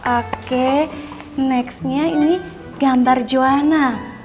oke nextnya ini gambar juwana